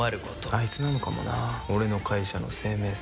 あいつなのかもな俺の会社の生命線。